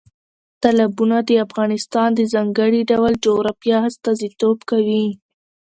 تالابونه د افغانستان د ځانګړي ډول جغرافیه استازیتوب کوي.